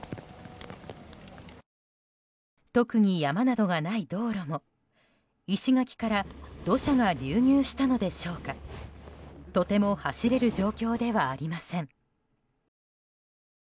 特に山などがない道路も石垣から土砂が流入したのでしょうかとても、走れる状況ではありません。